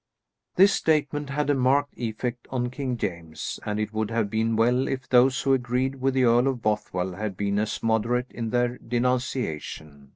This statement had a marked effect on King James, and it would have been well if those who agreed with the Earl of Bothwell had been as moderate in their denunciation.